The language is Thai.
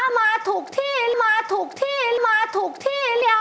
มาถูกที่มาถูกที่มาถูกที่แล้วล่ะ